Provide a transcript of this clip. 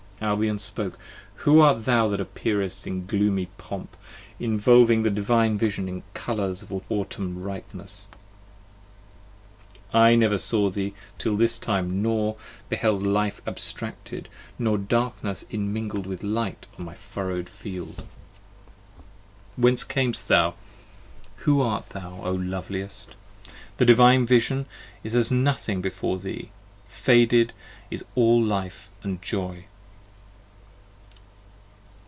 Albion spoke. Who art thou that appearest in gloomy pomp, 30 Involving the Divine Vision in colours of autumn ripeness? I never saw thee till this time, nor beheld life abstracted Nor darkness immingled with light on my furrow'd field. 37 Whence earnest thou? who art thou, O loveliest? the Divine Vision Is as nothing before thee, faded is all life and joy.